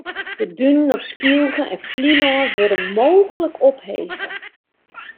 De dunen op Skylge en Flylân wurde mooglik ophege.